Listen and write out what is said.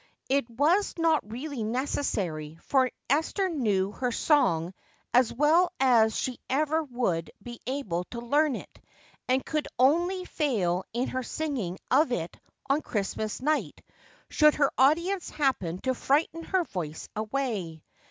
It was not really necessary, for Esther knew her song as well as she ever would be able to learn it and could only fail in her singing of it on Christmas night should her audience happen to frighten her voice away.